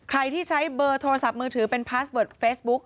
ใครที่ใช้เบอร์โทรศัพท์มือถือเป็นพาสเวิร์ดเฟซบุ๊ก